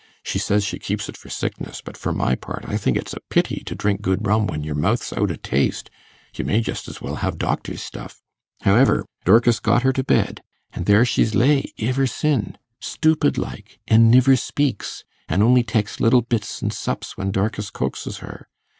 She says she keeps it for sickness; but for my part, I think it's a pity to drink good rum when your mouth's out o' taste; you may just as well hev doctor's stuff. However, Dorkis got her to bed, an' there she's lay iver sin', stoopid like, an' niver speaks, an' on'y teks little bits an' sups when Dorkis coaxes her.